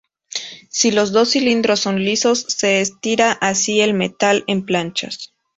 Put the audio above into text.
Si los dos cilindros son lisos, se estira así el metal en planchas.